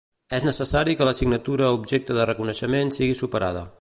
És necessari que l'assignatura objecte de reconeixement estigui superada.